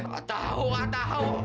gak tau gak tau